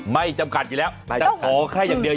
ไม่จำกัดอยู่แล้วแต่ขอแค่อย่างเดียว